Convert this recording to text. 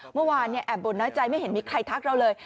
เมื่อวานเนี่ยแอบบุญนะใจไม่เห็นมีใครทักเราเลย